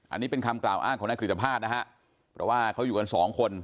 อันนี้เป็นคำกล่าวอ้างของนายกฤตภาษณนะฮะเพราะว่าเขาอยู่กันสองคน